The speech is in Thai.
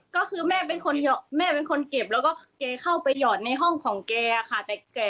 ก็คือแม่เป็นคนเก็บแล้วก็เก่เข้าไปหยอดในห้องของเก่ค่ะ